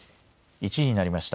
１時になりました。